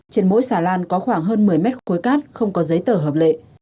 trên mỗi xà lan có khoảng hơn một mươi mét khối cát không có giấy tờ hợp lệ